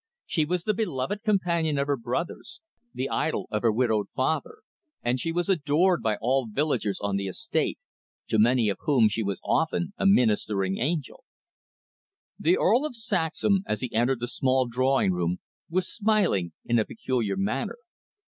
She was the beloved companion of her brothers, the idol of her widowed father; and she was adored by all the villagers on the estate, to many of whom she was often a ministering angel. The Earl of Saxham, as he entered the small drawing room, was smiling in a peculiar manner.